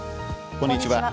こんにちは。